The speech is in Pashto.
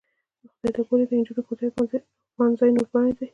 خدای ته وګورئ د نجونو ښوونځي او پوهنځي نور پرانیزئ.